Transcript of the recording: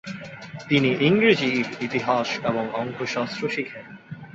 তিনি ইংরেজির ইতিহাস এবং অঙ্কশাস্ত্র শিখেন।